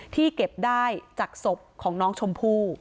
ที่เก็บได้จากศพของน้องชมพู่